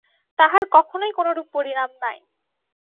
তাঁহার কখনই কোনরূপ পরিণাম নাই।